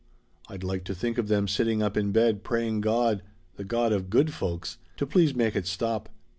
I'd like to think of them sitting up in bed praying God the God of 'good' folks to please make it stop.